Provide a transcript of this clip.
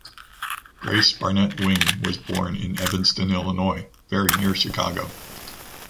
Grace Barnett Wing was born in Evanston, Illinois, very near Chicago.